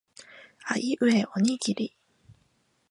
あいうえおにぎり